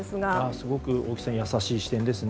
すごく、大木さん優しい視点ですね。